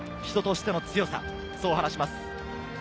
人としての強さ、そう話します。